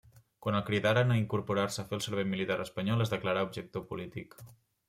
Quan el cridaren a incorporar-se a fer el servei militar espanyol es declarà objector polític.